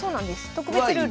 特別ルールで。